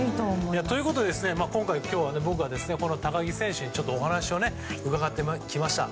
ということで、今回僕は高木選手にお話を伺ってきました。